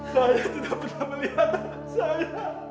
saya tidak pernah melihat saya